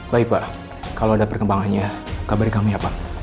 baik pak kalau ada perkembangannya kabar kami ya pak